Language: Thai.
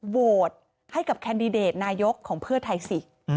โหวตให้กับแคนดิเดตนายกของเพื่อไทยสิ